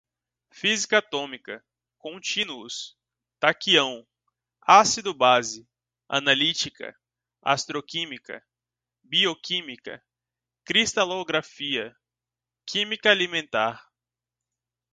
física atômica, contínuos, taquião, ácido-base, analítica, astroquímica, bioquímica, cristalografia, química alimentar